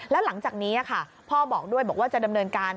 แล้วหลังจากนี้ค่ะพ่อบอกด้วยบอกว่าจะดำเนินการ